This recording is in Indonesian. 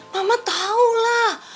mama tau lah